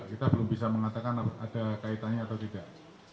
kita belum bisa mengatakan ada kaitannya atau tidak